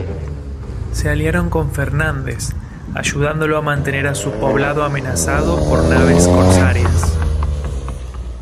Se aliaron con Fernandes, ayudándolo a mantener su poblado amenazado por naves corsarias.